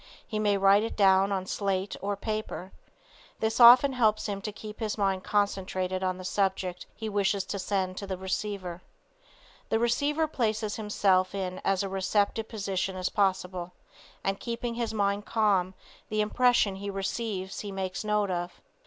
He may write it down on slate or paper. This often helps him to keep his mind concentrated on the subject he wishes to send to the receiver. The receiver places himself in as receptive a position as possible, and Keeping his mind calm, the impression he receives he makes note of.